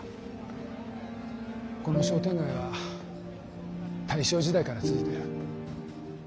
この商店街は大正時代から続いてる。